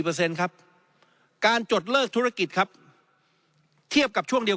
เปอร์เซ็นต์ครับการจดเลิกธุรกิจครับเทียบกับช่วงเดียว